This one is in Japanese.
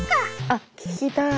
あっ聞きたい。